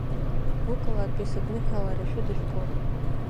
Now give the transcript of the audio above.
Гәыкалатәи сыдныҳәалара шәыдышәкыл!